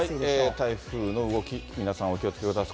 台風の動き、皆さん、お気をつけください。